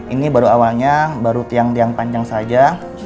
ini baru awalnya baru tiang tiang panjang saja